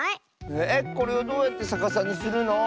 えっこれをどうやってさかさにするの？